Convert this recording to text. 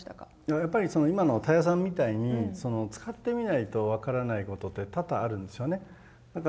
やっぱりその今の田谷さんみたいに使ってみないと分からないことって多々あるんですよね。